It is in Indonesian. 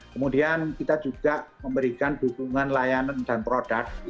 kemudian kita juga memberikan dukungan layanan dan produk